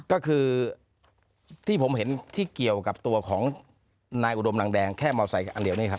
ก็คือที่ผมเห็นที่เกี่ยวกับตัวของนายอุดมนางแดงแค่มอเซย์อันเดียวนี่ครับ